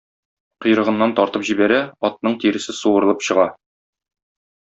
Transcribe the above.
Койрыгыннан тартып җибәрә - атның тиресе суырылып чыга.